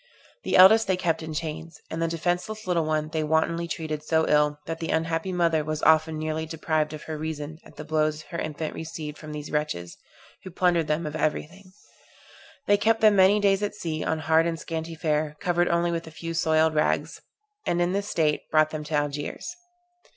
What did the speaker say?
The eldest they kept in chains; and the defenceless little one they wantonly treated so ill, that the unhappy mother was often nearly deprived of her reason at the blows her infant received from these wretches, who plundered them of every thing. They kept them many days at sea on hard and scanty fare, covered only with a few soiled rags; and in this state brought them to Algiers.